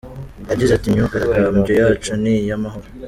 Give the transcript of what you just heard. Yagize ati “Imyigaragambyo yacu ni iy’amahoro.